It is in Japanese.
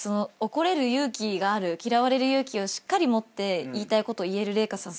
怒れる勇気がある嫌われる勇気をしっかり持って言いたいこと言える麗華さん